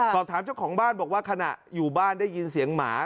สอบถามเจ้าของบ้านบอกว่าขณะอยู่บ้านได้ยินเสียงหมา